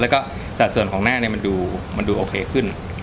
แล้วก็สัดส่วนของหน้าเนี่ยมันดูโอเคขึ้น